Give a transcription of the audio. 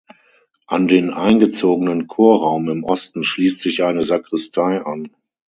An den eingezogenen Chorraum im Osten schließt sich eine Sakristei an.